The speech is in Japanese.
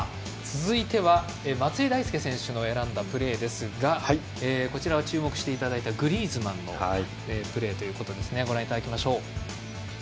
続いては、松井大輔選手の選んだプレーですがこちらは注目していただいたグリーズマンのプレーということですね。